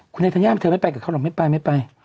คุณนายธัญญาเธอไม่ไปเขาบอกไม่ไป